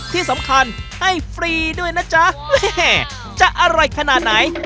ที่สำคัญให้ฟรีด้วยนะจ๊ะแม่จะอร่อยขนาดไหน